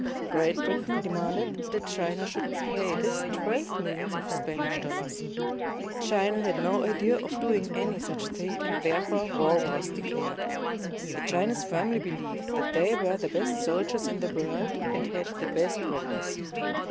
[Great Britain demanded that China should pay this twelve millions of Spanish dollars. China had no idea of 195 CHINA doing any such thing, and therefore war was declared. The Chinese firmly believed that they were the best soldiers in the world and had the best weapons.